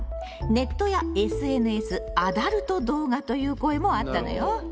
ネットやＳＮＳアダルト動画という声もあったのよ。